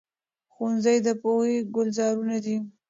ښوونځي د پوهې ګلزارونه دي.